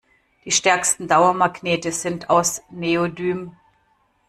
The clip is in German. Die stärksten Dauermagnete sind aus Neodym.